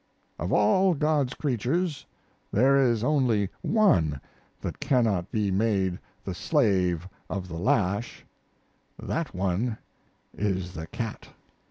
Of all God's creatures, there is only one that cannot be made the slave of the lash that one is the cat.